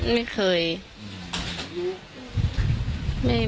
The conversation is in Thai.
ไม่เคย